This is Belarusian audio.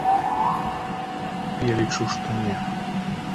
Я лічу, што не.